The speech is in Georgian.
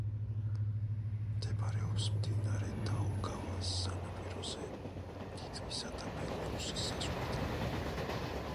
მდებარეობს მდინარე დაუგავას სანაპიროზე, ლიტვისა და ბელორუსის საზღვართან.